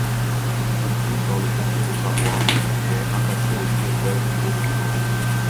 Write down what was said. Il se trouve dans le comté de Savoie, mais rattaché au diocèse dauphinois.